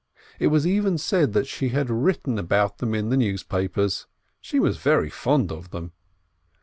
It was even said that she had written about them in the news papers ! She was very fond of them.